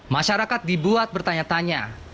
masyarakat dibuat bertanya tanya